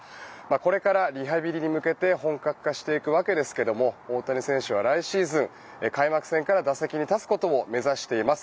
これからリハビリに向けて本格化していくわけですが大谷選手は来シーズン開幕戦から打席に立つことを目指しています。